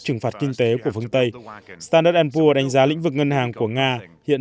trừng phạt kinh tế của phương tây standard poor s đánh giá lĩnh vực ngân hàng của nga hiện